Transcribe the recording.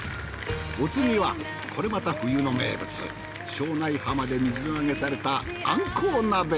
お次はこれまた冬の名物庄内浜で水揚げされた鮟鱇鍋。